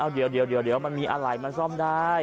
เดี๋ยวมันมีอะไรมันซ่อมได้